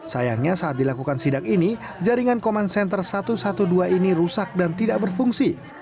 sayangnya saat dilakukan sidak ini jaringan command center satu ratus dua belas ini rusak dan tidak berfungsi